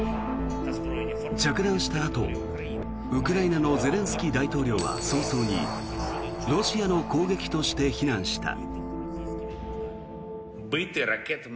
着弾したあと、ウクライナのゼレンスキー大統領は早々にロシアの攻撃として非難した。